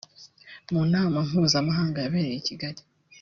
mu nama mpuzamahanga yabereye I Kigali